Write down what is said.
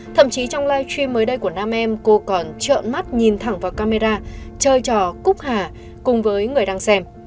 thậm chí trong live stream mới đây của nam em cô còn trợn mắt nhìn thẳng vào camera chơi trò cúc hà cùng với người đang xem